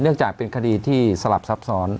จากเป็นคดีที่สลับซับซ้อน